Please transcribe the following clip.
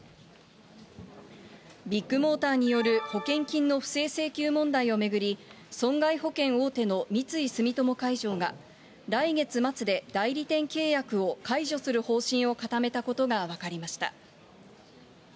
ビッグモーターによる保険金の不正請求問題を巡り、損害保険大手の三井住友海上が、来月末で代理店契約を解除する方針を固めたことが分かりました。